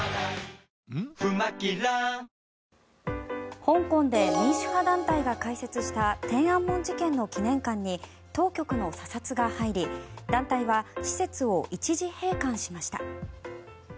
香港で民主派団体が開設した天安門事件の記念館に当局の査察が入り団体は施設を一時閉館しました。